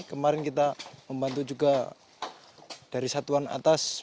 kemarin kita membantu juga dari satuan atas